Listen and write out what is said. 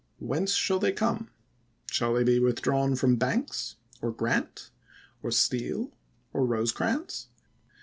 Whence shall they come ? Shall they be withdrawn from Banks, or Grant, or Steele, or Rosecrans